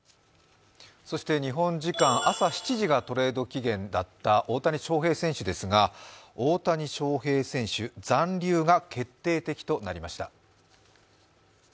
そして日本時間朝７時がトレード期限だった大谷翔平選手ですが残留が決定的となりました。